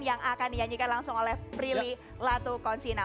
yang akan dinyanyikan langsung oleh prilly latukonsina